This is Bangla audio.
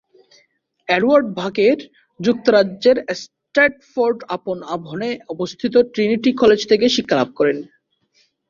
অ্যাডওয়ার্ড বাকের যুক্তরাজ্যের স্ট্র্যাটফোর্ড-আপন-আভনে অবস্থিত ট্রিনিটি কলেজ থেকে শিক্ষা লাভ করেন।